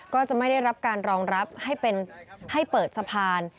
ก็จะไม่ได้รับการรองรับให้เปิดสะพาน